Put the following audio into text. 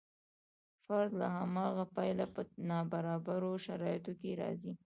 فرد له هماغه پیله په نابرابرو شرایطو کې راځي.